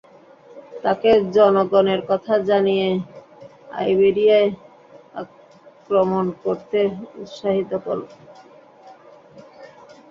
তাকে জনগণের কথা জানিয়ে আইবেরিয়ায় আক্রমণ করতে উত্সাহিত কল।